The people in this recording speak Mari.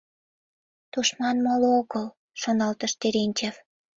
«Тушман, моло огыл! — шоналтыш Терентьев.